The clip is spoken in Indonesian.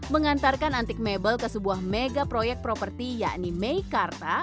mengantarkan antik mebel ke sebuah mega proyek properti yakni meikarta